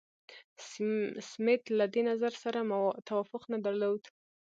سمیت له دې نظر سره توافق نه درلود.